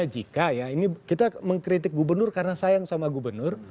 jika kita mengkritik gubernur karena sayang sama gubernur